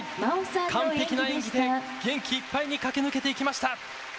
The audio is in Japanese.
完璧な演技で元気いっぱいに駆け抜けていきました！